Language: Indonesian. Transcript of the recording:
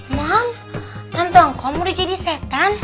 mams nanti kamu udah jadi setan